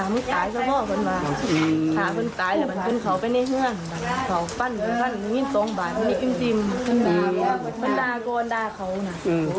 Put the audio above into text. มันดาโกนดาเขานะ